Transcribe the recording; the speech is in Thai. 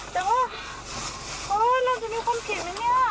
แต่ว่าเราจะมีคนผิดไหมเนี่ย